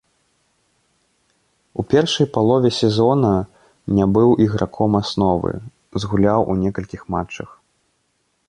У першай палове сезона не быў іграком асновы, згуляў у некалькіх матчах.